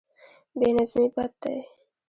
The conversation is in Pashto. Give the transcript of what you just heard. بې نظمي بد دی.